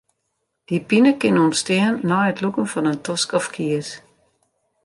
Dy pine kin ûntstean nei it lûken fan in tosk of kies.